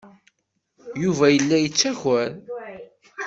Yuba yella yettaker.